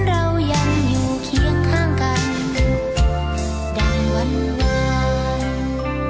เรายังอยู่เคียงข้างกันดังวัน